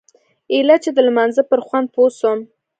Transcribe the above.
ايله چې د لمانځه پر خوند پوه سوم.